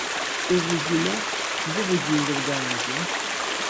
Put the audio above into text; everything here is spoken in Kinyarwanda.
ubuzima bw'ubugingo bwanjye